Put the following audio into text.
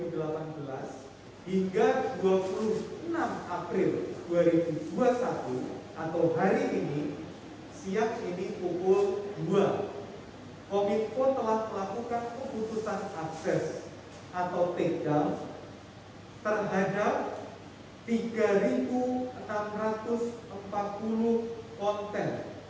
dari tahun dua ribu delapan belas hingga dua puluh enam april dua ribu dua puluh satu atau hari ini siang ini pukul dua kominfo telah melakukan pemutusan akses atau takedown terhadap tiga ribu enam ratus empat puluh konten